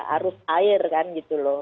arus air kan gitu loh